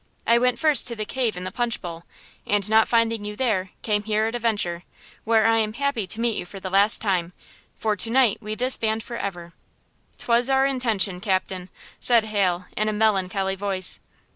I went first to the cave in the Punch Bowl, and, not finding you there, came here at a venture, where I am happy to meet you for the last time–for to night we disband forever!" "'Twas our intention, captain," said Hal, in a melancholy voice.